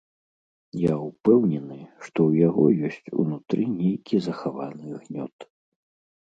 Я ўпэўнены, што ў яго ёсць унутры нейкі захаваны гнёт.